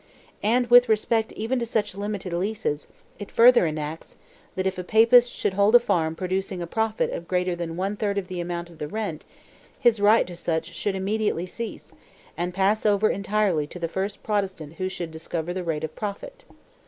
And with respect even to such limited leases, it further enacts, that if a Papist should hold a farm producing a profit greater than one third of the amount of the rent, his right to such should immediately cease, and pass over entirely to the first Protestant who should discover the rate of profit.